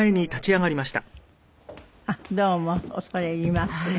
どうも恐れ入ります。